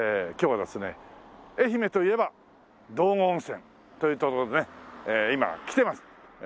今日はですね愛媛といえば道後温泉というところでね今来てます。